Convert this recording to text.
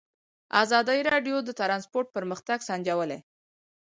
ازادي راډیو د ترانسپورټ پرمختګ سنجولی.